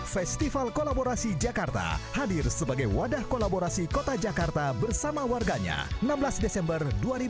festival kolaborasi jakarta hadir sebagai wadah kolaborasi kota jakarta bersama warganya enam belas desember dua ribu dua puluh